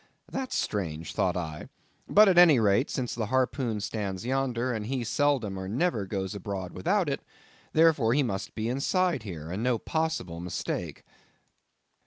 That's strange, thought I; but at any rate, since the harpoon stands yonder, and he seldom or never goes abroad without it, therefore he must be inside here, and no possible mistake.